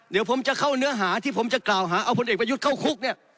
เดี๋ยวผมจะเข้าเนื้อหาที่ผมจะกล่าวหาเอาผลเอกประยุทธ์เข้าคุกเนี่ย